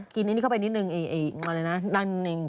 กินอันนี้เข้าไปนิดนึง